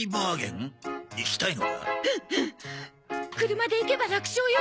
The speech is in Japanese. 車で行けば楽勝よ。